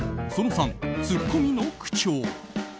その３、ツッコミの口調。